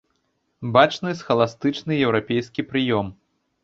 Бачны схаластычны еўрапейскі прыём.